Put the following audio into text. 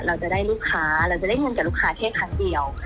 เราจะได้ลูกค้าเราจะได้เงินกับลูกค้าแค่ครั้งเดียว